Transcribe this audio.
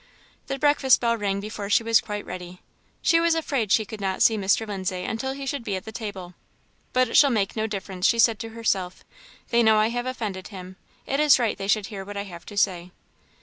The breakfast bell rang before she was quite ready. She was afraid she could not see Mr. Lindsay until he should be at the table. "But it shall make no difference," she said to herself, "they know I have offended him it is right they should hear what I have to say."